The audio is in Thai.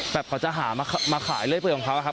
แบบเค้าหามาขายเรื่อยของเค้า